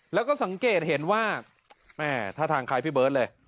แล้วก็สังเกตเห็นว่าแม่ท่าทางใครพี่เบิร์ตเลย